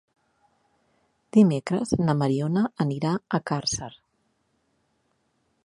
Dimecres na Mariona anirà a Càrcer.